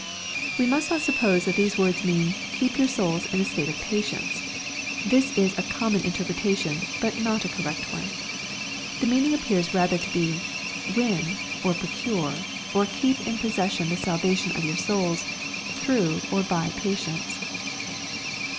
'\ We must not suppose that these words mean, " Keep your souls in a state of patience." This is a common interpretation, but not a correct one. The meaning ap pears rather • to be, " Win, or procure, or keep in possession the salvation of your souls, through or by patience."